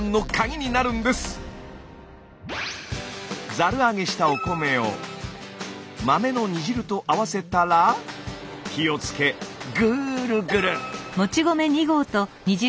ザルあげしたお米を豆の煮汁と合わせたら火をつけぐるぐる。